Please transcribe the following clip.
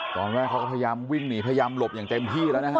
ตอนแรกเขาก็พยายามวิ่งหนีพยายามหลบอย่างเต็มที่แล้วนะฮะ